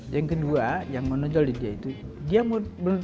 yang kedua yang menonjol di dia itu dia mau dengar masalahnya